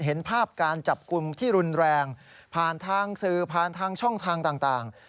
เห็นภาพการจับกลุ่มที่รุนแรงผ่านทางสื่อผ่านทางช่องทางต่าง